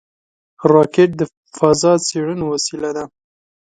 راکټ د فضا څېړنو وسیله ده